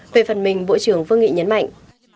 về phần mình bộ trưởng vương nghị nhấn mạnh